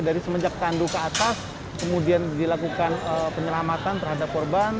dari semenjak tandu ke atas kemudian dilakukan penyelamatan terhadap korban